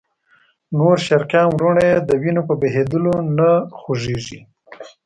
نور شرقیان وروڼه یې د وینو په بهېدلو نه خوږېږي.